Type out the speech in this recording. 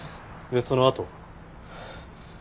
でそのあとは？